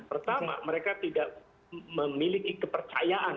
pertama mereka tidak memiliki kepercayaan